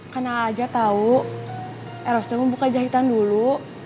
kan ah aja tau erosnya mumbuka jahitan dulu